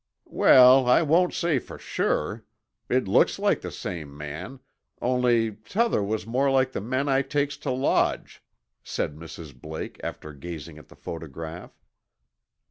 "Well, I won't say for sure. It looks like the same man, only 'tother was more like the men I takes to lodge," said Mrs. Blake after gazing at the photograph.